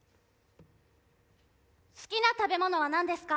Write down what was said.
好きな食べ物はなんですか？